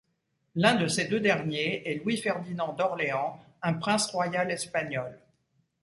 L'un de ces deux derniers est Louis-Ferdinand d'Orléans, un prince royal espagnol.